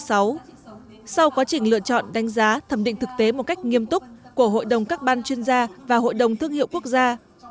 sau quá trình lựa chọn đánh giá thẩm định thực tế một cách nghiêm túc của hội đồng các ban chuyên gia và hội đồng thương hiệu quốc gia